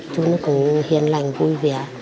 chú nó cũng hiền lành vui vẻ